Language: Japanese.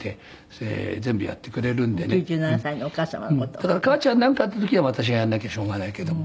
だから母ちゃんになんかあった時は私がやらなきゃしょうがないけども。